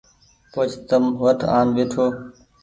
پڇ تم وٽ آن ٻهيٺو